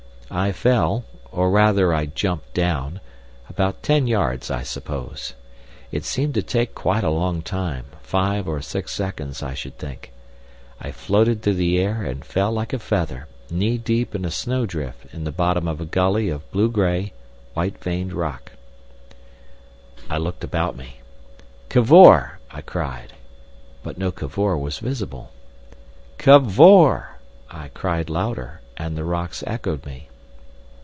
I fell, or rather I jumped down, about ten yards I suppose. It seemed to take quite a long time, five or six seconds, I should think. I floated through the air and fell like a feather, knee deep in a snow drift in the bottom of a gully of blue grey, white veined rock. I looked about me. "Cavor!" I cried; but no Cavor was visible. "Cavor!" I cried louder, and the rocks echoed me.